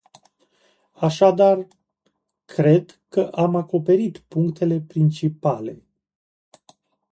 Așadar, cred că am acoperit punctele principale.